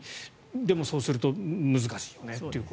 でも、そうすると難しいよねという。